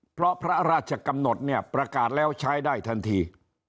เพราะพระราชกำหนดเนี่ยประกาศแล้วใช้ได้ทันที